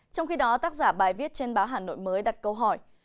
trong khi đó tác giả bài viết trên báo hà nội mới đặt câu hỏi